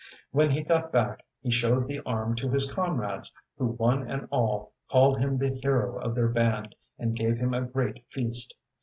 When he got back, he showed the arm to his comrades, who one and all called him the hero of their band and gave him a great feast.